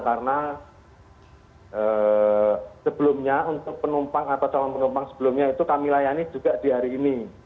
karena sebelumnya untuk penumpang atau calon penumpang sebelumnya itu kami layani juga di hari ini